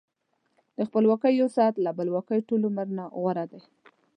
د خپلواکۍ یو ساعت له بلواکۍ ټول عمر نه غوره دی.